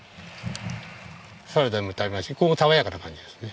サラダでも食べますし爽やかな感じですね。